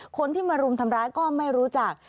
คนที่มารุมทำร้ายก็ไม่รู้จัก